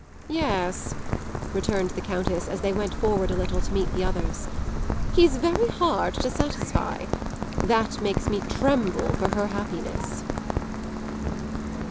"Yes," returned the Countess as they went forward a little to meet the others, "he's very hard to satisfy. That makes me tremble for her happiness!"